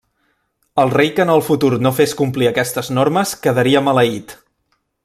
El rei que en el futur no fes complir aquestes normes quedaria maleït.